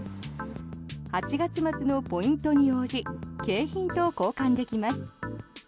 ８月末のポイントに応じ景品と交換できます。